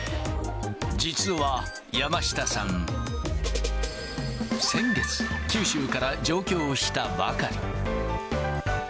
実は山下さん、先月、九州から上京したばかり。